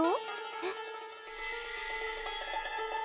えっ。